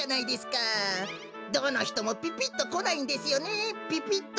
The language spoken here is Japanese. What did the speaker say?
どのひともピピッとこないんですよねピピッと。